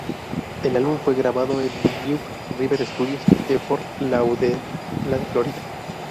El álbum fue grabado en New River Studios en Fort Lauderdale, Florida.